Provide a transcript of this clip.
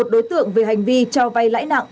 một mươi một đối tượng về hành vi cho vay lãi nặng